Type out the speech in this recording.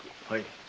はい。